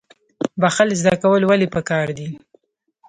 بخښل زده کول ولې پکار دي؟